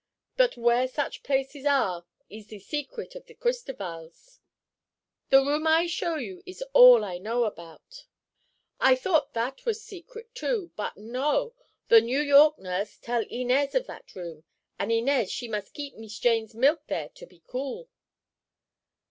But where such places are ees the secret of the Cristovals. The room I show you ees all I know about. I thought that was secret, too; but no; the New York nurse tell Inez of that room, an' Inez she keep Mees Jane's milk there, to be cool."